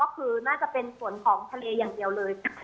ก็คือน่าจะเป็นฝนของทะเลอย่างเดียวเลย